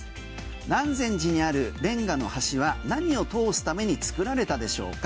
南禅寺にあるレンガの橋は何を通すために作られたでしょうか？